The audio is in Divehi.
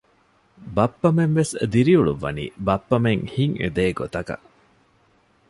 ބައްޕަމެން ވެސް ދިރިއުޅުއްވަނީ ބައްޕަމެން ހިތް އެދޭ ގޮތަކަށް